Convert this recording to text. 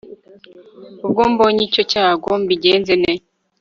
ubwo mbonye icyo cyago mbigenze ne